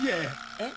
えっ？